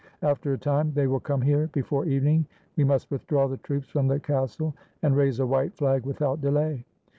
After a time they will come here. Before eve ning we must withdraw the troops from the castle, and raise a white flag without delay."